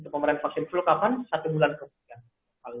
pemberian vaksin flu kapan satu bulan kemudian